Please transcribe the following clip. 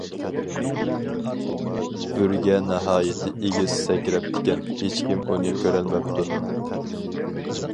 بۈرگە ناھايىتى ئېگىز سەكرەپتىكەن، ھېچكىم ئۇنى كۆرەلمەپتۇ.